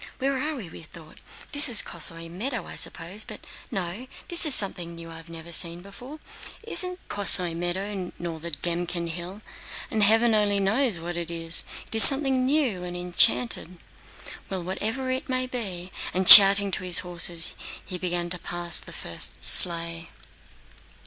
"Where are we?" thought he. "It's the Kosóy meadow, I suppose. But no—this is something new I've never seen before. This isn't the Kosóy meadow nor the Dëmkin hill, and heaven only knows what it is! It is something new and enchanted. Well, whatever it may be..." And shouting to his horses, he began to pass the first sleigh.